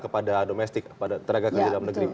kepada domestik pada tenaga kerja dalam negeri